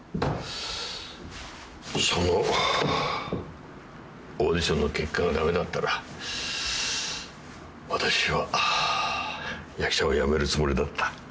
そのオーディションの結果が駄目だったら私は役者を辞めるつもりだった。